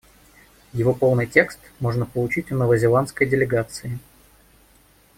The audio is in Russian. Его полный текст можно получить у новозеландской делегации.